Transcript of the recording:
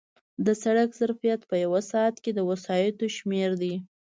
د سړک ظرفیت په یو ساعت کې د وسایطو شمېر دی